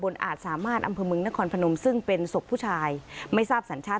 อาจสามารถอำเภอเมืองนครพนมซึ่งเป็นศพผู้ชายไม่ทราบสัญชาติ